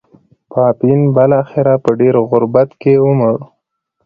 پاپین بلاخره په ډېر غربت کې ومړ.